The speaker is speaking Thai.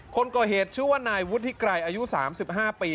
คนก่อเหตุชื่อว่านายวุฒิไกรอายุ๓๕ปี